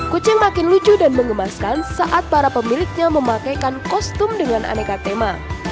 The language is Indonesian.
kucing makin lucu dan mengemaskan saat para pemiliknya memakaikan kostum dengan aneka tema